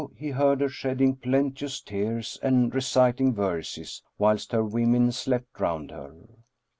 he heard her shedding plenteous tears and reciting verses, whilst her women slept round her.